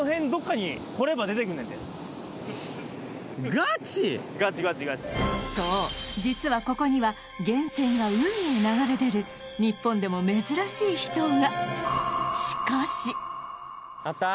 ガチガチガチそう実はここには源泉が海へ流れ出る日本でも珍しい秘湯が！